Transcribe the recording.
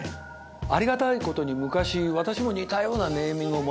ありがたいことに昔私も似たようなネーミングをもらいました。